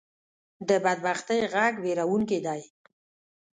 د بدبختۍ غږ وېرونکې دی